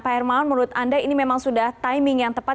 pak hermawan menurut anda ini memang sudah timing yang tepat